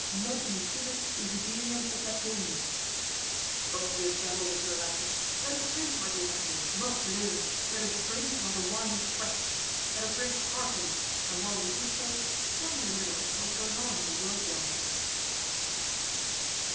Non inutile desiderium oblatione." "Go to the devil with your Latin. Let us drink, my dear D'Artagnan, morbleu! Let us drink while the wine is fresh! Let us drink heartily, and while we do so, tell me a little of what is going on in the world yonder."